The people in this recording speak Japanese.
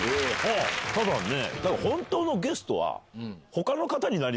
ただね。